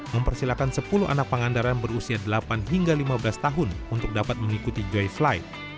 mempersilahkan sepuluh anak pengandaran berusia delapan hingga lima belas tahun untuk dapat mengikuti joyfly